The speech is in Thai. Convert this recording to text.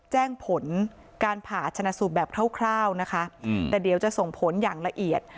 แจ้งผลการผ่าชนะสูตรแบบคร่าวนะคะแต่เดี๋ยวจะส่งผลอย่างละเอียด